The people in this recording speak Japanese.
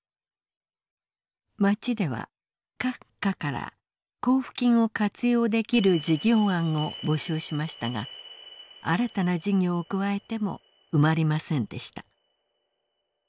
町では各課から交付金を活用できる事業案を募集しましたが新たな事業を加えても埋まりませんでした。